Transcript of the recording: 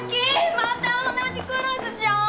また同じクラスじゃん。